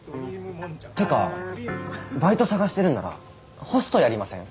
てかバイト探してるんならホストやりません？